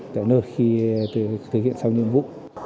tại nơi khi thực hiện sau nhiệm vụ